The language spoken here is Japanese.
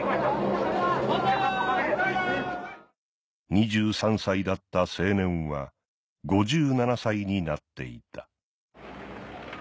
２３歳だった青年は５７歳になっていた